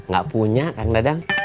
gak punya kang dadang